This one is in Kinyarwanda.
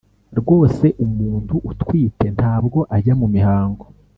Rwose umuntu utwite ntabwo ajya mu mihango.